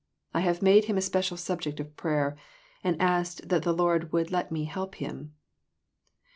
I have made him a special subject of prayer, and asked that the Lord would let me help him."